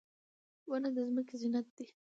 • ونه د ځمکې زینت دی.